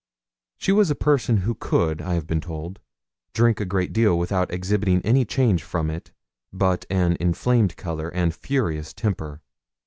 She was a person who could, I have been told, drink a great deal without exhibiting any change from it but an inflamed colour and furious temper.